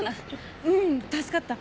ううん助かった。